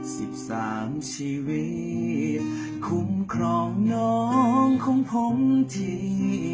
สิบสามชีวิตคุ้มครองน้องของผมที